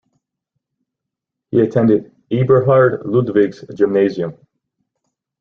He attended Eberhard-Ludwigs-Gymnasium.